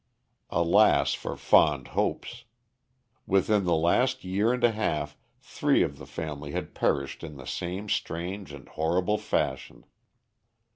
Alas for fond hopes! Within the last year and a half three of the family had perished in the same strange and horrible fashion.